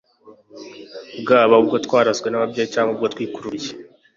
bwaba ubwo twarazwe n'ababyeyi cyangwa ubwo twikururiye